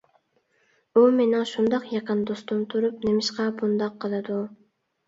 ئۇ مېنىڭ شۇنداق يېقىن دوستۇم تۇرۇپ، نېمىشقا بۇنداق قىلىدۇ؟